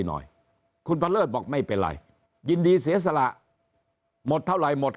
หน่อยคุณประเลิศบอกไม่เป็นไรยินดีเสียสละหมดเท่าไหร่หมด